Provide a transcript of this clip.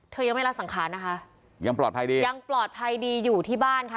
ยังไม่ละสังขารนะคะยังปลอดภัยดียังปลอดภัยดีอยู่ที่บ้านค่ะ